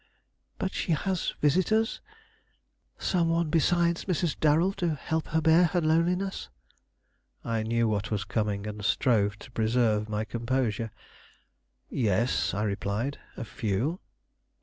"But she has visitors? Some one besides Mrs. Darrell to help her bear her loneliness?" I knew what was coming, and strove to preserve my composure. "Yes," I replied; "a few."